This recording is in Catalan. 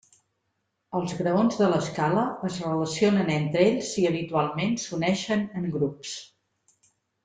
Els graons de l'escala es relacionen entre ells i habitualment s'uneixen en grups.